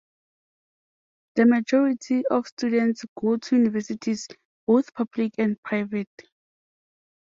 The majority of students go to universities, both public and private.